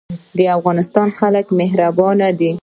د افغانستان خلک مهربان دي